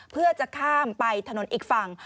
เพื่อจะข้ามไปถนนอีกฝั่ง